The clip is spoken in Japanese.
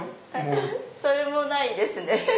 それもないですね。